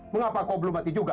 mengapa kau belum mati juga